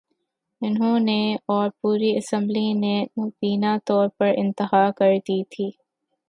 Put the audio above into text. انہوں نے اور پوری اسمبلی نے مبینہ طور پر انتہا کر دی تھی۔